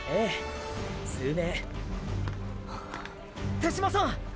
手嶋さん！